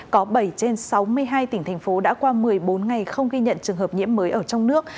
có bảy trên sáu mươi hai tỉnh thành phố đã qua một mươi bốn ngày không ghi nhận trường hợp nhiễm mới ở trong nước